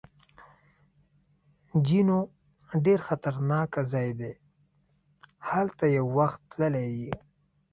جینو: ډېر خطرناک ځای دی، هلته یو وخت تللی یې؟